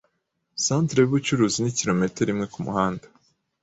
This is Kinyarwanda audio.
Centre yubucuruzi ni kilometero imwe kumuhanda.